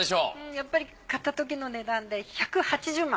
やっぱり買ったときの値段で１８０万。